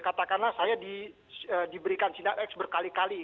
katakanlah saya diberikan sinar x berkali kali